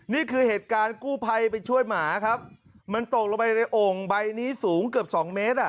นี่คือเหตุการณ์กูไพไปช่วยหมามันตกลงไปในอ่งใบนี้สูงเกือบ๒เม็ด